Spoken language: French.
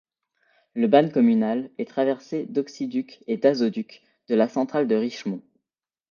Le ban communal est traversé d'oxyducs et d'azoducs de la centrale de Richemont.